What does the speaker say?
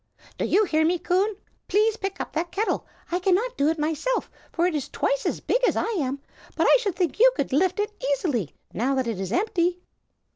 "Do you hear me, Coon? Please pick up that kettle. I cannot do it myself, for it is twice as big as I am, but I should think you could lift it easily, now that it is empty."